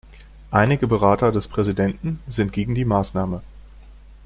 Einige Berater des Präsidenten sind gegen die Maßnahme.